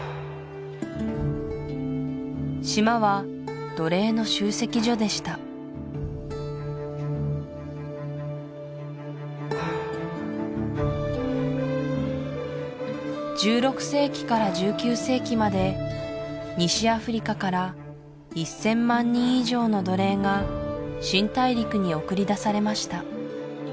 島は奴隷の集積所でした１６世紀から１９世紀まで西アフリカから１０００万人以上の奴隷が新大陸に送り出されました